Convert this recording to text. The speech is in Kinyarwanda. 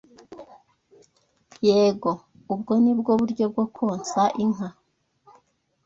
Yego, ubwo ni bwo buryo bwo konsa inka?